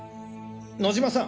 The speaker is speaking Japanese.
野嶋さん！